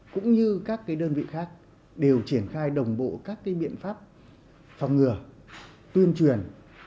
cũng như các đơn vị khác đều triển khai đồng bộ các biện pháp phòng ngừa tuyên truyền